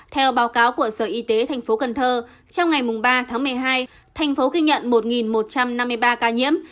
theo báo cáo của sở y tế thành phố cần thơ trong ngày ba tháng một mươi hai thành phố ghi nhận một một trăm năm mươi ba ca nhiễm